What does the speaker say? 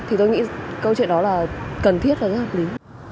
thì tôi nghĩ câu chuyện đó là cần thiết và rất hợp lý